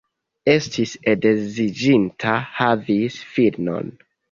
Estis edziĝinta, havis filinon.